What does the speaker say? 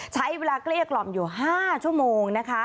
ใช้เวลาเกลี้ยกล่อมอยู่ห้าชั่วโมงนะคะ